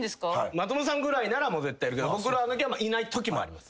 松本さんぐらいなら絶対いるけど僕らのときはいないときもあります。